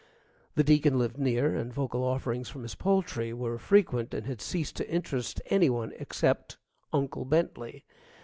The Deacon lived near, and vocal offerings from his poultry were frequent and had ceased to interest any one except Uncle Bentley.